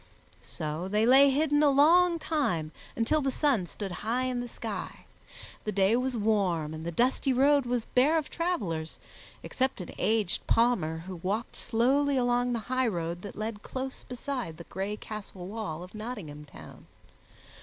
So they lay hidden a long time, until the sun stood high in the sky. The day was warm and the dusty road was bare of travelers, except an aged palmer who walked slowly along the highroad that led close beside the gray castle wall of Nottingham Town.